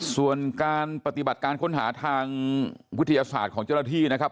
ส่วนการปฏิบัติการค้นหาทางวิทยาศาสตร์ของเจ้าหน้าที่นะครับ